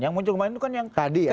yang muncul kemarin itu kan yang tadi ya